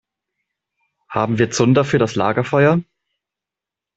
Haben wir Zunder für das Lagerfeuer?